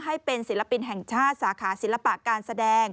ให้เป็นศิลปินแห่งชาติสาขาศิลปะการแสดง